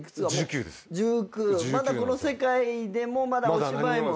まだこの世界でもまだお芝居も。